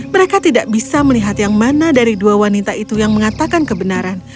mereka tidak bisa melihat yang mana dari dua wanita itu yang mengatakan kebenaran